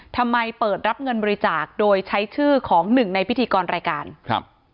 ทำไมเปิดรับเงินบริจาคโดยใช้ชื่อของหนึ่งในพิธีกรรายการครับ